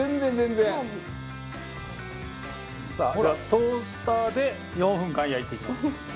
さあではトースターで４分間焼いていきます。